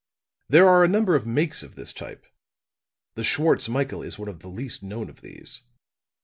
There are a number of makes of this type; the Schwartz Michael is one of the least known of these.